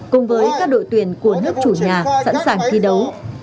cùng với các đội tuyển của nước chủ nhà sẵn sàng thi đấu